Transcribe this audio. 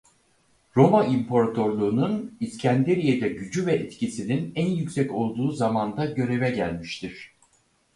Roma İmparatorluğu'nun İskenderiye'de gücü ve etkisinin en yüksek olduğu zamanda göreve gelmiştir.